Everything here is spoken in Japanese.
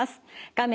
画面